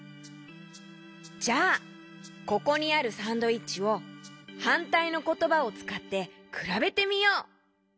じゃあここにあるサンドイッチをはんたいのことばをつかってくらべてみよう！